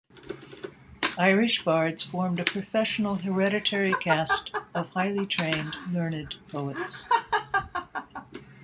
Irish bards formed a professional hereditary caste of highly trained, learned poets.